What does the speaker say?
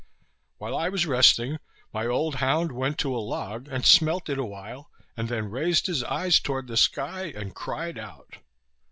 While I was resting, my old hound went to a log, and smelt it awhile, and then raised his eyes toward the sky, and cried out.